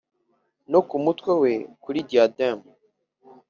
no kumutwe we kuri diadem